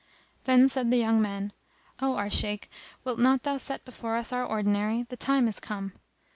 Then said the young men, "O our Shaykh, wilt not thou set before us our ordinary? The time is come."